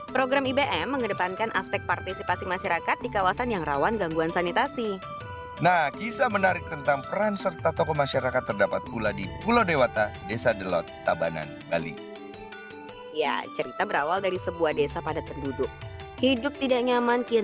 program ibm mengedepankan aspek partisipasi masyarakat di kawasan yang rawan gangguan sanitasi